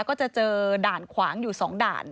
ก็จะเจอด่านขวางอยู่๒ด่าน